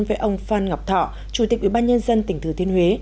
với ông phan ngọc thọ chủ tịch ủy ban nhân dân tỉnh thừa thiên huế